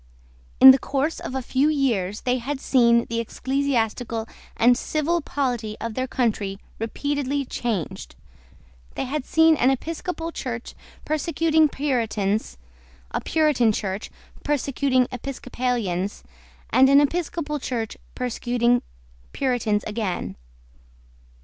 In the course of a few years they had seen the ecclesiastical and civil polity of their country repeatedly changed. They had seen an Episcopal Church persecuting Puritans, a Puritan Church persecuting Episcopalians, and an Episcopal Church persecuting Puritans again.